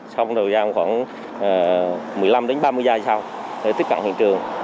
xong rồi ra khoảng một mươi năm ba mươi giây sau để tiếp cận hiện trường